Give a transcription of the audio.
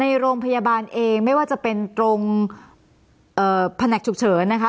ในโรงพยาบาลเองไม่ว่าจะเป็นตรงแผนกฉุกเฉินนะคะ